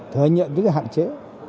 thời nhận những hạn chế